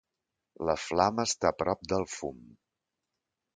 La flama està prop del fum.